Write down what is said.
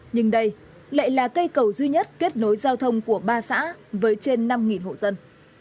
nhưng đây lại là cây cầu duy nhất kết nối giao thông của ba xã với trên năm hộ dân